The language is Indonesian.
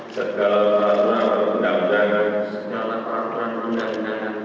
segala peraturan undang undangan